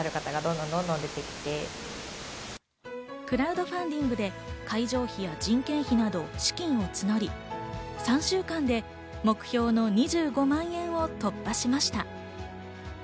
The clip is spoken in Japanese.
クラウドファンディングで会場費や人件費など資金を募り、３週間で目標の２５万円を突破しました。